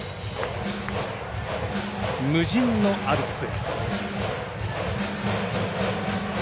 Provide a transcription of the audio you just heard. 無人のアルプス。